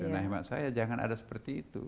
nah hemat saya jangan ada seperti itu